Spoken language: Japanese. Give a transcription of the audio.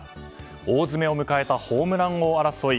大詰めを迎えたホームラン王争い。